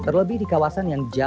terlebih di kawasan yang jauh